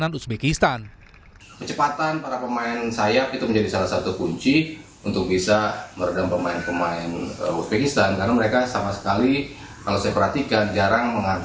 jadi mungkin itu menjadi salah satu kunci kita